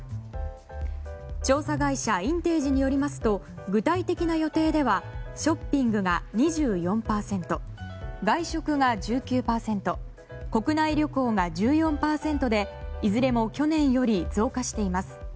調査会社インテージによりますと具体的な予定ではショッピングが２４％外食が１９％国内旅行が１４％でいずれも去年より増加しています。